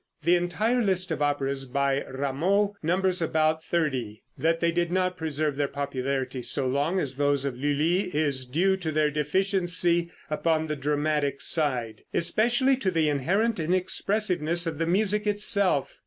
The entire list of operas by Rameau numbers about thirty. That they did not preserve their popularity so long as those of Lulli is due to their deficiency upon the dramatic side, especially to the inherent inexpressiveness of the music itself.